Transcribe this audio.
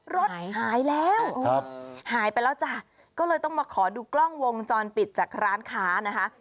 รถหายแล้วหายไปแล้วจ้ะก็เลยต้องมาขอดูกล้องวงจรปิดจากร้านค้านะคะ